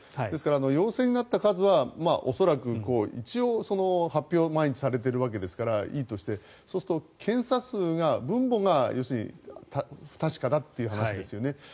ですから陽性になった数は恐らく一応、発表は毎日されているわけですからいいとしてそうすると検査数が、分母が要するに不確かだという話ですよね。